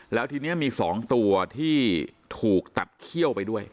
แล้วทีนี้มี๒ตัวที่ถูกตัดเขี้ยวไปด้วย